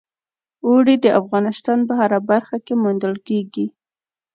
اوړي د افغانستان په هره برخه کې موندل کېږي.